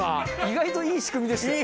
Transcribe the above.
意外といい仕組みでした。